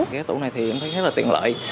cái tủ này thì em thấy rất là tiện lợi